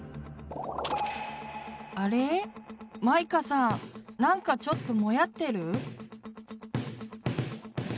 あれまいかさんなんかちょっとモヤってる？